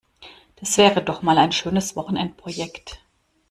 Das wäre doch mal ein schönes Wochenendprojekt!